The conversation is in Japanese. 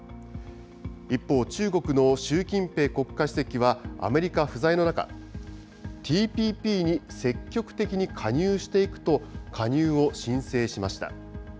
一方、中国の習近平国家主席はアメリカ不在の中、ＴＰＰに積極的に加入していくと、加入を申請しました。